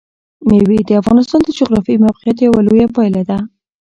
مېوې د افغانستان د جغرافیایي موقیعت یوه لویه پایله ده.